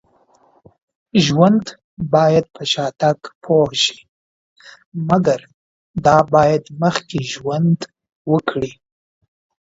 ژوند باید په شاتګ پوه شي. مګر دا باید مخکې ژوند وکړي